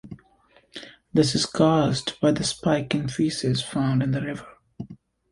This is caused by the spike in fesces found in the river.